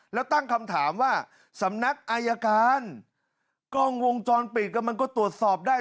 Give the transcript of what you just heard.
แล้วตั้งคำถามว่าสำนักอายการกล้องวงจรปิดก็มันก็ตรวจสอบได้